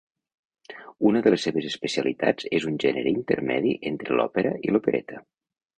Una de les seves especialitats és un gènere intermedi entre l'òpera i l'opereta.